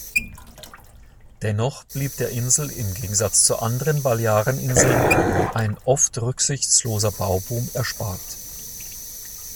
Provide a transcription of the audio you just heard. Dennoch blieb der Insel im Gegensatz zu anderen Balearen-Inseln ein oft rücksichtsloser Bauboom erspart.